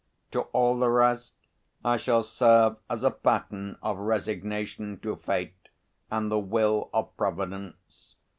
To all the rest I shall serve as a pattern of resignation to fate and the will of Providence.